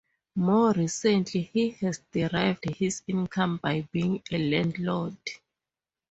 More recently, he has derived his income by being a landlord.